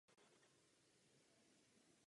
O to častější je jeho použití v jazzu.